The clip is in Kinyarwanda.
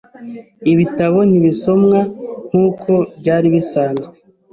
Ibitabo ntibisomwa nkuko byari bisanzwe.